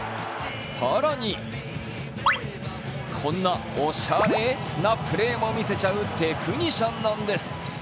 更に、こんなおしゃれなプレーも見せちゃうテクニシャンなんです。